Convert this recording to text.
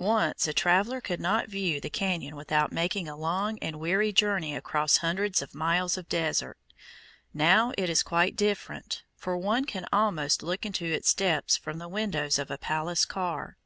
Once a traveller could not view the cañon without making a long and weary journey across hundreds of miles of desert; now it is quite different, for one can almost look into its depths from the windows of a palace car.